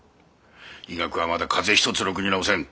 医学はまだ風邪一つろくに治せん。